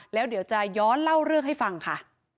แล้วเดี๋ยวจะย้อนเล่าเรื่องให้ฟังค่ะ